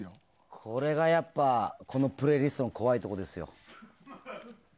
これが、このプレイリストの怖いところですよ。